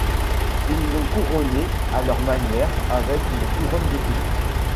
Ils l'ont couronné à leur manière, avec une couronne d'épines.